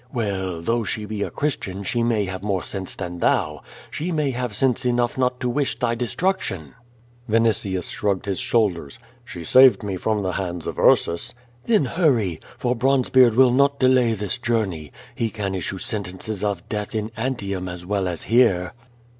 "Well, though slie be a Christian she may have more sense than thou. She may liave sense enough not to wish thy de struction." Vinitius shrugged his shoulders: "She saved me from the hands of Ursus." "Then hurry, for Bronzebcard will not delay this journey. He can issue sentences of death in Antium as well as here."